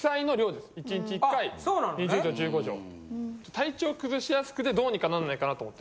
体調崩しやすくてどうにかなんないかなと思って。